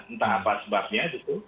entah apa sebabnya gitu